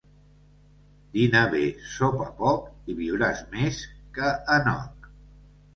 Dina bé, sopa poc, i viuràs més que Enoc.